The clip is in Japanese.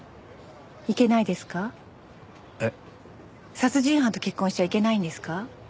殺人犯と結婚しちゃいけないんですか？